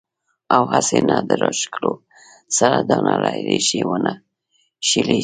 او هسې نه د راښکلو سره دا نرۍ ريښې ونۀ شليږي